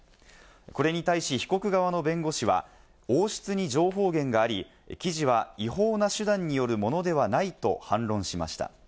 これに対し被告側の弁護士は王室に情報源があり、記事は違法な手段によるものではないと反論しました。